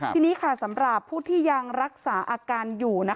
ทีนี้สำหรับผู้ที่ยังรักษาอาการอยู่